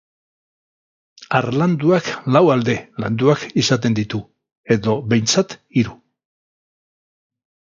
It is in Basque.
Harlanduak lau alde landuak izaten ditu, edo behintzat hiru.